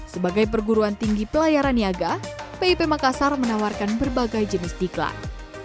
sebagai perguruan tinggi pelayaran niaga pip makassar menawarkan berbagai jenis diklat